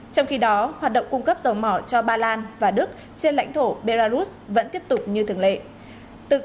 trong khi đó hoạt động cung cấp dầu mỏ cho ba lan và đức trên lãnh thổ belarus vẫn tiếp tục như thường lệ